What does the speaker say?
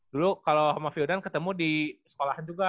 dulu kalo sama fyodan ketemu di sekolahnya juga